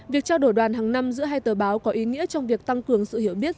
việc trao đổi đoàn hàng năm giữa hai tờ báo có ý nghĩa trong việc tăng cường sự hiểu biết